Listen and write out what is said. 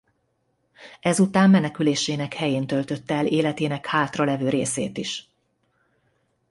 Ezután menekülésének helyén töltötte el életének hátralevő részét is.